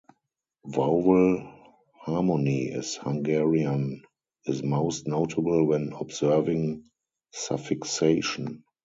Vowel harmony in Hungarian is most notable when observing suffixation.